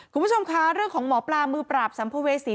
คุณผู้ชมคะเรื่องของหมอปลามือปราบสัมภเวษี